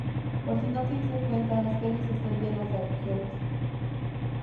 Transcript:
Por si no te diste cuenta las calles están llenas de agujeros.